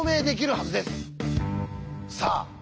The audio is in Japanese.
さあ